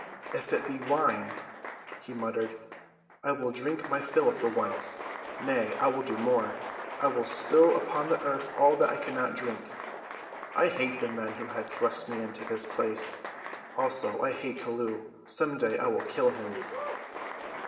"If it be wine," he muttered, "I will drink my fill for once. Nay, I will do more. I will spill upon the earth all that I cannot drink. I hate the men who have thrust me into this place! Also, I hate Chelluh; some day I will kill him."